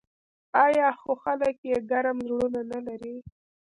آیا خو خلک یې ګرم زړونه نلري؟